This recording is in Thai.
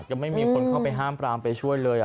ยังไม่มีคนเข้าไปห้ามปรามไปช่วยเลย